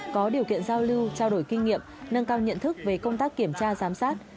có điều kiện giao lưu trao đổi kinh nghiệm nâng cao nhận thức về công tác kiểm tra giám sát